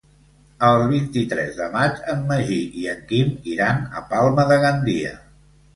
El vint-i-tres de maig en Magí i en Quim iran a Palma de Gandia.